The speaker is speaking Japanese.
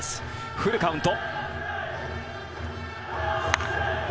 フルカウント。